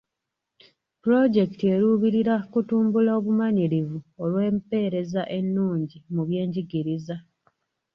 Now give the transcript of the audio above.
Pulojekiti eruubirira kutumbula obumanyirivu olw'empeereza ennungi mu byenjigiriza.